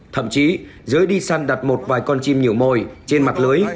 thậm chí giới đi săn đặt một vài con chim nhiều mồi trên mặt lưới